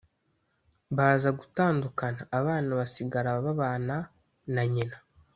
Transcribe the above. baza gutandukana abana basigara babana na nyina